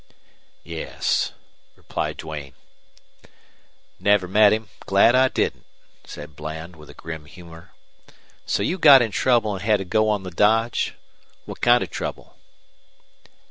"Yes," replied Duane. "Never met him, and glad I didn't," said Bland, with a grim humor. "So you got in trouble and had to go on the dodge? What kind of trouble?"